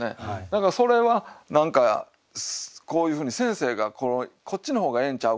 だからそれは何かこういうふうに先生がこっちの方がええんちゃうか？